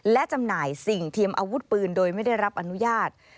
และจำหน่ายสิ่งเทียมอาวุธปืนโดยไม่ได้รับอนุญาต